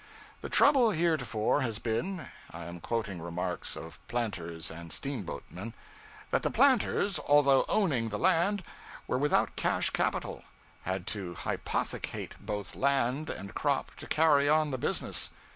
The trouble heretofore has been I am quoting remarks of planters and steamboatmen that the planters, although owning the land, were without cash capital; had to hypothecate both land and crop to carry on the business.